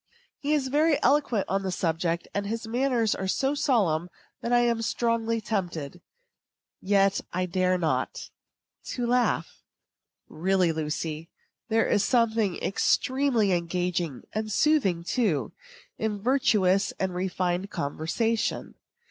He is very eloquent upon the subject; and his manners are so solemn that I am strongly tempted yet I dare not to laugh. Really, Lucy, there is something extremely engaging, and soothing, too, in virtuous and refined conversation.